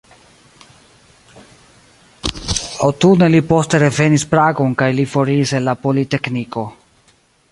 Aŭtune li poste revenis Pragon kaj li foriris el la politekniko.